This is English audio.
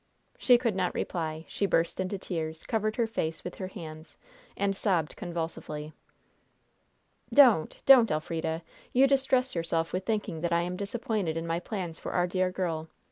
She could not reply. She burst into tears, covered her face with her hands, and sobbed convulsively. "Don't! Don't, Elfrida! You distress yourself with thinking that I am disappointed in my plans for our dear girl.